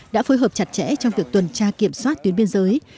đã phối hợp chặt chẽ trong việc tuần tra kiểm soát tuyến biên giới